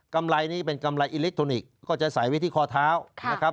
กำไรนี้เป็นกำไรอิเล็กทรอนิกส์ก็จะใส่ไว้ที่คอเท้านะครับ